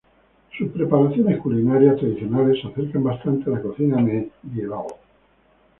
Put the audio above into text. Sus preparaciones culinarias tradicionales se acercan bastante a la cocina medieval.